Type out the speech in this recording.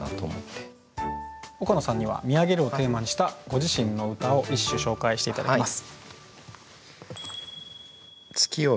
岡野さんには「見上げる」をテーマにしたご自身の歌を一首紹介して頂きます。